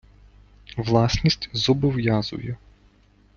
Власність зобов'язує.